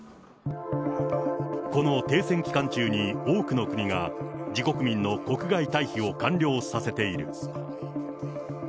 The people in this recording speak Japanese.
この停戦期間中に多くの国が自国民の国外退避を完了させている。